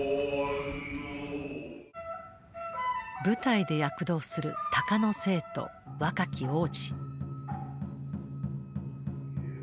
舞台で躍動する鷹の精と若き王子。